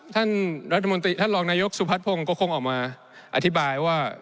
ท่านรองนายกสุพัฒนภงก็คงออกมาอธิบายว่า